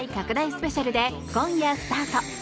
スペシャルで今夜スタート。